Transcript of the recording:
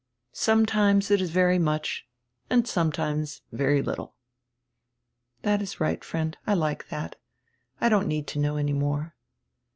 Sometimes it is very much and sometimes very little." "That is right, friend, I like diat; I don't need to know any more."